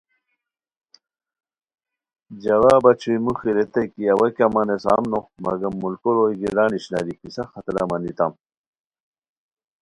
جوابہ چھوئی موخی ریتائے کی اوا کیہ مانیسام نو مگم ملکو روئے گران اشناری پِسہ خاطرہ مانیتام